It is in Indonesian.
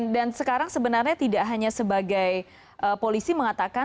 dan sekarang sebenarnya tidak hanya sebagai polisi mengatakan